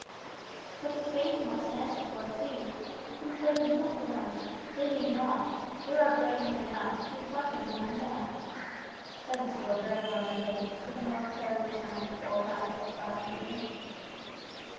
"But the Spains must answer for its deeds, since they consent to them. They heed not. There are brave men enough, with weapons in their hands," said the soldier of former days, with a momentary return to old habits of thought and feeling.